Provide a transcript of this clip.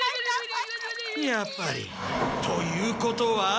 やっぱり。ということは。